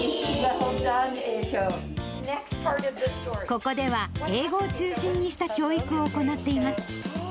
ここでは英語を中心にした教育を行っています。